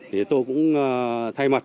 thì tôi cũng thay mặt